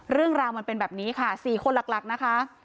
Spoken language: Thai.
เรื่องราวมันเป็นแบบนี้ค่ะ๔คนหลักนะคะ